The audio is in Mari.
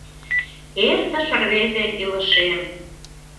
...Эртыш рвезе илышем.